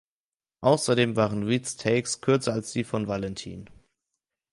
Außerdem waren Reeds Takes kürzer als die von Valentin.